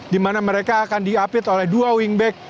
di mana mereka akan diapit oleh dua wingback